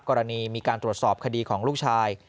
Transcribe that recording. กรณีมีการตรวจสอบคดีของลูกชาย